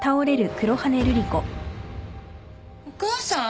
お母さん？